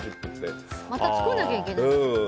また作らなきゃいけない。